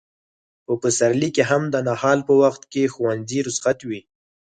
په پسرلي کې هم د نهال په وخت کې ښوونځي رخصت وي.